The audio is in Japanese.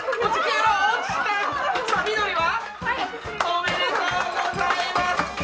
おめでとうございます！